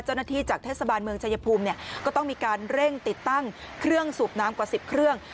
จากเทศบาลเมืองชายภูมิเนี่ยก็ต้องมีการเร่งติดตั้งเครื่องสูบน้ำกว่า๑๐เครื่อง